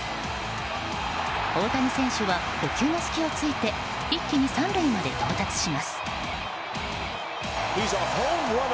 大谷選手は捕球の隙を突いて一気に３塁まで到達します。